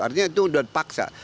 artinya itu sudah paksa